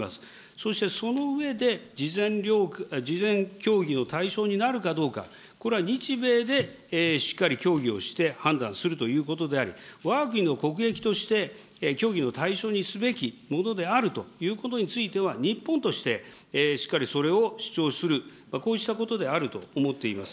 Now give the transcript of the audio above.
そしてその上で、事前協議の対象になるかどうか、これは日米でしっかり協議をして判断するということであり、わが国の国益として協議の対象にすべきものであるということについては、日本としてしっかりそれを主張する、こうしたことであると思っています。